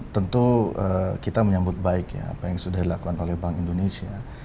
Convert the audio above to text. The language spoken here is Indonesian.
tentu kita menyambut baik ya apa yang sudah dilakukan oleh bank indonesia